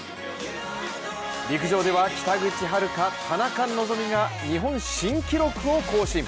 陸上では北口榛花、田中希実が日本新記録を更新。